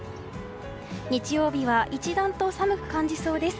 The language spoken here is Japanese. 日曜日は一段と寒く感じそうです。